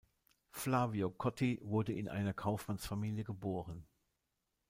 Flavio Cotti wurde in einer Kaufmannsfamilie geboren.